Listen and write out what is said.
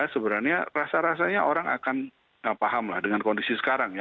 sebenarnya rasa rasanya orang akan paham lah dengan kondisi sekarang ya